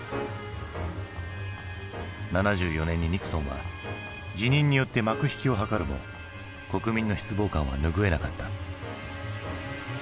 ７４年にニクソンは辞任によって幕引きを図るも国民の失望感は拭えなかった。